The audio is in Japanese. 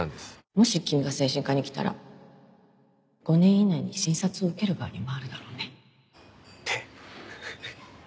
もし君が精神科に来たら５年以内に診察を受ける側に回るだろうねって。